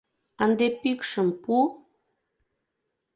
Ынде пӱкшым пу!